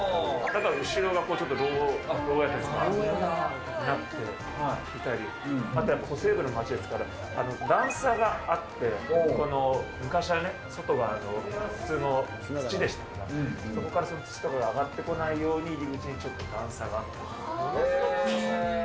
だから後ろがちょっと牢屋というかになっていたり、あとやっぱり、西部の街ですから、段差があって、昔はね、外が普通の土でしたから、そこから土とかが上がってこないように、入り口にちょっと段差がへー！